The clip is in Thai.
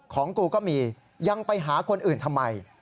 ของกูก็มียังไปหาคนอื่นทำไม